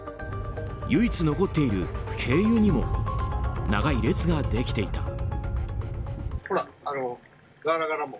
唯一残っている軽油にも長い列ができていた。